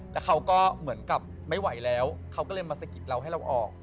แล้วเขาก็เหมือนกับไม่ไหวแล้วเขาก็เลยมาสะกิดเราให้เราออก